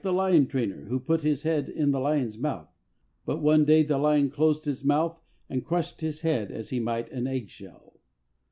S6 lion trainer, who put his head in the lion's mouth, but one day the lion closed his mouth and crushed his head as he might an egg shell.